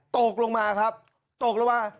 ตกลงมาครับตกแล้วว่า